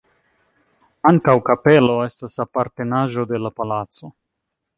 Ankaŭ kapelo estas apartenaĵo de la palaco.